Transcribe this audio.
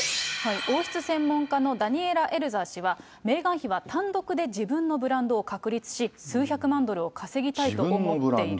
王室専門家のダニエラ・エルザー氏は、メーガン妃は単独で自分のブランドを確立し、数百万ドルを稼ぎたいと思っている。